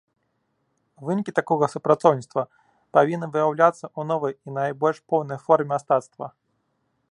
Вынікі такога супрацоўніцтва павінны выяўляцца ў новай і найбольш поўнай форме мастацтва.